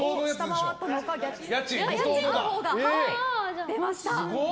家賃のほうが出ました。